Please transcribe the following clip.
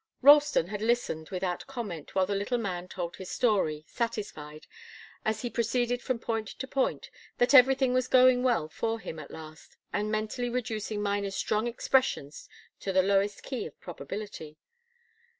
Ralston had listened without comment while the little man told his story, satisfied, as he proceeded from point to point, that everything was going well for him, at last, and mentally reducing Miner's strong expressions to the lowest key of probability.